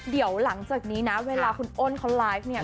เดี๋ยวหลังจากนี้นะเวลาคุณอ้นเขาไลฟ์เนี่ย